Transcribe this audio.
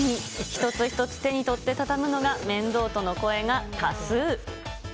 一つ一つ手に取って畳むのが面倒との声が多数。